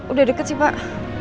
udah deket sih pak